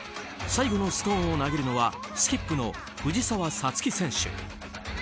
最後のストーンを投げるのはスキップの藤澤五月選手。